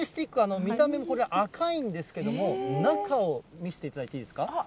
見た目、これ赤いんですけれども、中を見せていただいてもいいですか。